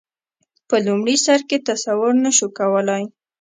په لومړي سر کې تصور نه شو کولای.